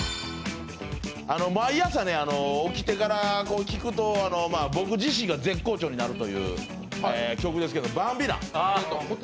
毎朝ね、起きてから聴くと僕自身が絶好調になるという曲ですけど、「バンビーナ」。